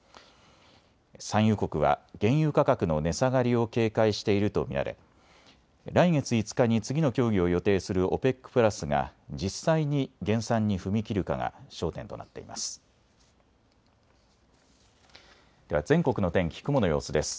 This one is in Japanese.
産油国は原油価格の値下がりを警戒していると見られ来月５日に次の協議を予定するＯＰＥＣプラスが実際に減産に踏み切るかが焦点となっています。